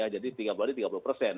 jadi tiga puluh hari tiga puluh persen